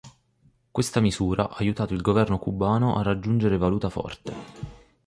Questa misura ha aiutato il governo cubano a raccogliere valuta forte.